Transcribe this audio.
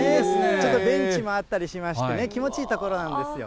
ちょっとベンチもあったりしましてね、気持ちいい所なんですよ。